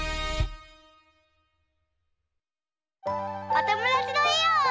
おともだちのえを。